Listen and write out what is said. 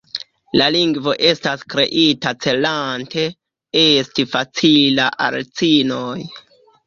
La lingvo estas kreita celante esti facila al ĉinoj.